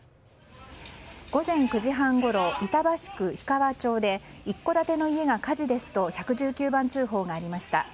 午前９時半ごろ、板橋区氷川町で一戸建ての家が火事ですと１１９番通報がありました。